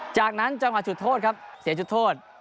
จากนั้นจังหวะจุดโทษครับเสียจุดโทษ